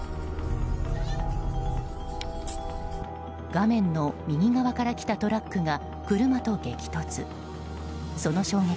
画面の右側から来たトラックが車と衝突。